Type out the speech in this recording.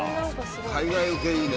海外ウケいいね。